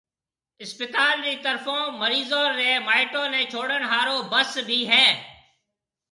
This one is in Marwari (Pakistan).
اسپتال رِي طرفون مريضون رَي مائيٽون نيَ ڇوڙڻ ھارو بس ڀِي ھيََََ